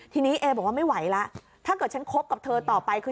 ทีนี้เอบอกว่าไม่ไหวแล้วถ้าเกิดฉันคบกับเธอต่อไปคือ